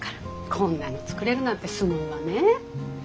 こんなの作れるなんてすごいわねえ。